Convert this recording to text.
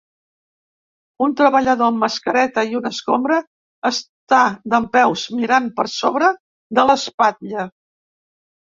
Un treballador amb mascareta i una escombra està dempeus mirant per sobre de l'espatlla.